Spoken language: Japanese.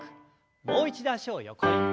もう一度脚を横に。